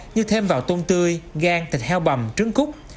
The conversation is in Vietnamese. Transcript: như thêm vào tôm tươi gan thịt heo bầm trứng cút